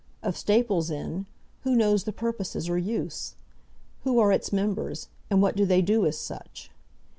Of Staples' Inn, who knows the purposes or use? Who are its members, and what do they do as such?